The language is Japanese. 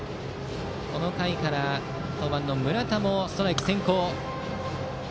この回から登板の村田もストライク先行。